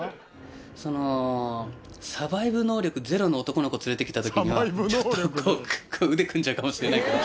そのサバイブ能力ゼロの男の子連れてきた時にちょっとこう腕組んじゃうかもしれない。